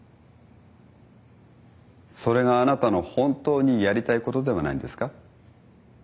それがあなたの本当にやりたいことではないんですか。